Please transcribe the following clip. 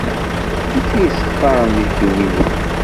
D kečč iyi-sexsaren deg dduminu.